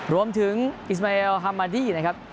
รวมถึงอิสเหมอแลฮามาดี้นะครับ